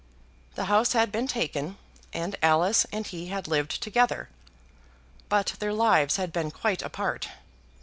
The house had been taken, and Alice and he had lived together, but their lives had been quite apart.